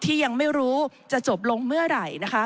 ยังไม่รู้จะจบลงเมื่อไหร่นะคะ